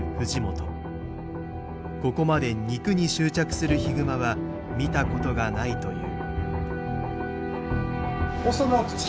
ここまで肉に執着するヒグマは見たことがないという。